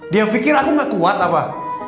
dia yang pikir aku nggak kuat apa